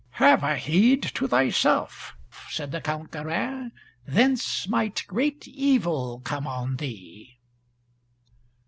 "Have a heed to thyself," said the Count Garin, "thence might great evil come on thee."